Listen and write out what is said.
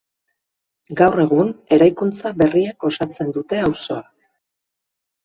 Gaur egun, eraikuntza berriek osatzen dute auzoa.